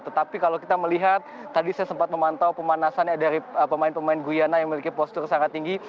tetapi kalau kita melihat tadi saya sempat memantau pemanasannya dari pemain pemain guyana yang memiliki postur sangat tinggi